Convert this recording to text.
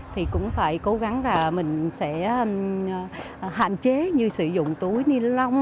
thì cũng phải cố gắng là mình sẽ hạn chế như sử dụng túi ni lông